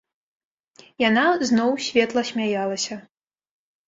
Яна зноў светла смяялася.